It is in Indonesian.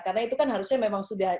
karena itu kan harusnya memang sudah